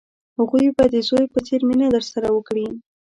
هغوی به د زوی په څېر مینه درسره وکړي.